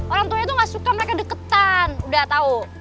orang tuanya tuh ga suka mereka deketan udah tau